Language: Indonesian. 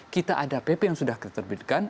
kita ada pp yang sudah kita terbitkan